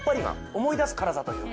思い出す辛さというか。